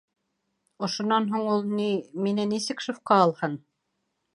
— Ошонан һуң ул, ни, мине нисек шефҡа алһын?!